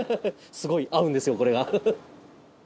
すごい合うんですよ、これが。